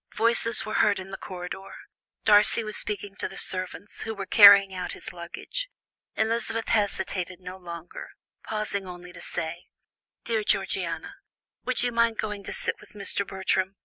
Voices were heard in the corridor; Darcy was speaking to the servants, who were carrying out his luggage. Elizabeth hesitated no longer, pausing only to say: "Dear Georgiana, would you mind going to sit with Mr. Bertram?